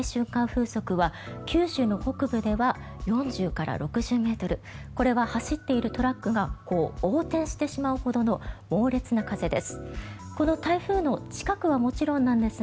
風速は九州の北部では４０から６０ｍこれは走っているトラックが横転してしまうほどの猛烈な風です。